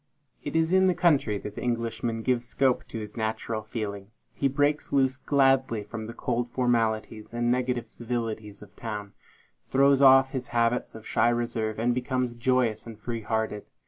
It is in the country that the Englishman gives scope to his natural feelings. He breaks loose gladly from the cold formalities and negative civilities of town; throws off his habits of shy reserve, and becomes joyous and free hearted.